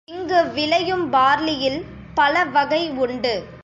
இங்கு விளையும் பார்லியில் பலவகை உண்டு.